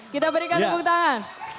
kita berikan tepung tangan